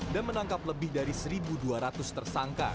dan menangkap lebih dari satu dua ratus tersangka